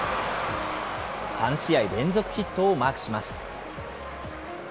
３試合連続ヒットをマークします。